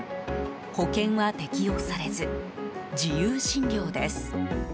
保険は適用されず自由診療です。